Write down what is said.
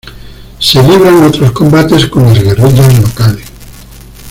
Se libran otros combates con las guerrillas locales.